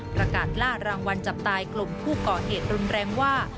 ประกาศล่ารางวัลจับตายกลุ่มผู้ก่อเหตุรุนแรงว่า